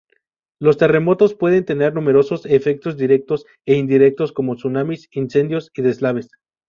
Los terremotos pueden tener numerosos efectos directos e indirectos como tsunamis, incendios y deslaves.